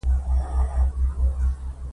بيا يې زما پر نبض گوته ټينګه کړه.